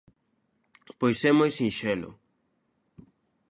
Pois é moi sinxelo.